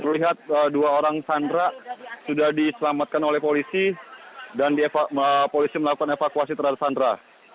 terlihat dua orang sandra sudah diselamatkan oleh polisi dan polisi melakukan evakuasi terhadap sandra